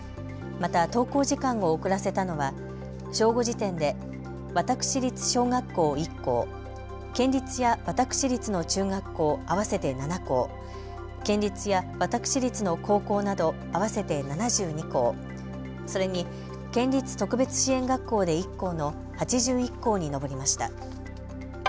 また登校時間を遅らせたのは正午時点で私立小学校１校、県立や私立の中学校合わせて７校、県立や私立の高校など合わせて７２校、それに県立特別支援学校で１校の８１校に上りました。